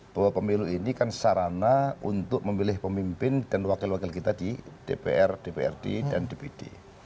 bahwa pemilu ini kan sarana untuk memilih pemimpin dan wakil wakil kita di dpr dprd dan dpd